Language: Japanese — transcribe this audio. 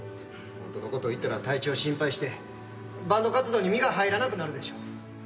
ほんとのことを言ったら体調心配してバンド活動に身が入らなくなるでしょ？